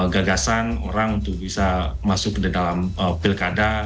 gagasan orang untuk bisa masuk di dalam pilkada